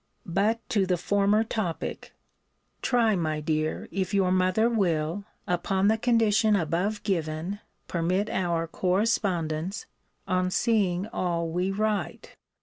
But to the former topic try, my dear, if your mother will, upon the condition above given, permit our correspondence, on seeing all we write.